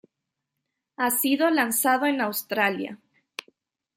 Ha sido lanzado en Australia.